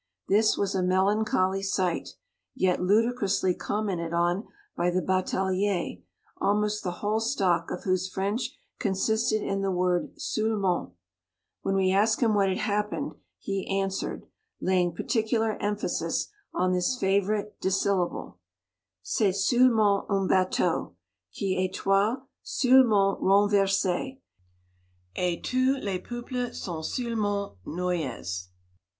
This was a melancholy sight, yet ludicrously commented on by the batalier; almost the whole stock of whose French con sisted in the word settlement. When we asked him what had happened, he answered, laying particular emphasis on this favourite dissyllable, C'esi settlement un bateau, quietoit settlement renversee, et tous les peuples sont settle ment noyes.